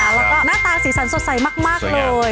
แล้วก็หน้าตาสีสันสดใสมากเลย